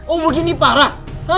oh begini parah